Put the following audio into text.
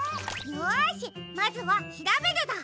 よしまずは「しらべる」だ。